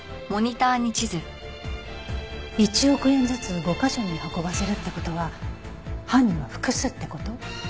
１億円ずつ５カ所に運ばせるって事は犯人は複数って事？